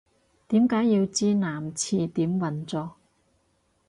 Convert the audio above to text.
點解要知男廁點運作